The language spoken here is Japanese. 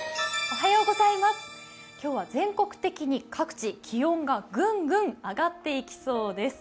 今日は全国的に各地、気温がぐんぐん上がっていきそうです。